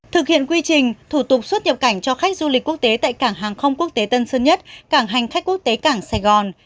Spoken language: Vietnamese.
thực hiện quy trình thủ tục xuất nhập cảnh cho khách du lịch quốc tế tại cảng hàng không quốc tế tân sơn nhất cảng hành khách quốc tế cảng sài gòn